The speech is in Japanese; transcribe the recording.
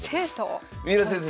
三浦先生